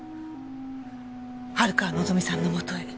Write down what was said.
春川望さんのもとへ。